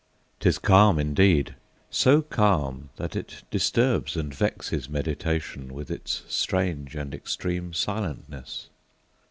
'Tis calm indeed! so calm, that it disturbs And vexes meditation with its strange And extreme silentness.